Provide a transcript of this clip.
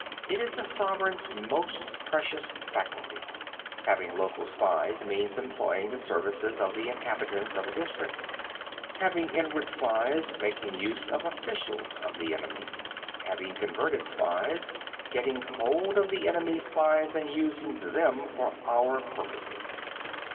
It is the sovereign's most precious faculty. 9. Having local spies means employing the services of the inhabitants of a district. 10. Having inward spies, making use of officials of the enemy. 11. Having converted spies, getting hold of the enemy's spies and using them for our own purposes.